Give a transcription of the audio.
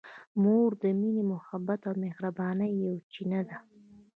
مور د مینې، محبت او مهربانۍ یوه چینه ده.